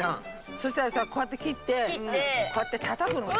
そしたらさこうやって切ってこうやってたたくのさ。